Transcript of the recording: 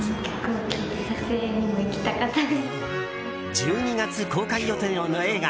１２月公開予定の映画